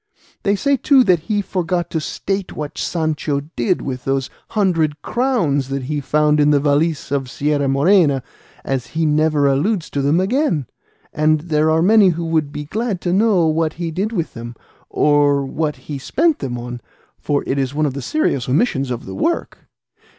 They say, too, that he forgot to state what Sancho did with those hundred crowns that he found in the valise in the Sierra Morena, as he never alludes to them again, and there are many who would be glad to know what he did with them, or what he spent them on, for it is one of the serious omissions of the work."